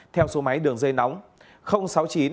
theo số máy đường dây nóng